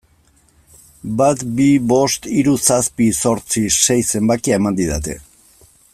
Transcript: Bat bi bost hiru zazpi zortzi sei zenbakia eman didate.